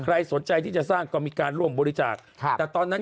ใครสนใจที่จะสร้างก็มีการร่วมบริจาคค่ะแต่ตอนนั้น